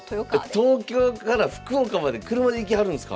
え東京から福岡まで車で行きはるんすか？